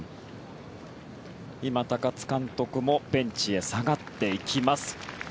今、高津監督もベンチへ下がっていきます。